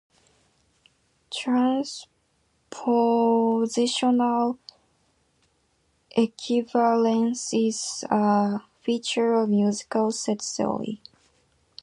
Transpositional equivalence is a feature of musical set theory.